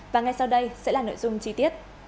và ngay sau đây sẽ là nội dung chi tiết